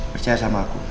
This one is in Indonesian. percaya sama aku